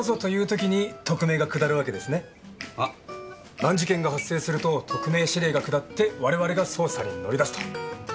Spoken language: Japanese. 難事件が発生すると特命指令が下って我々が捜査に乗り出すと。